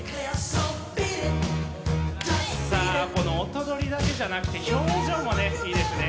さあこの音取りだけじゃなくて表情もねいいですね。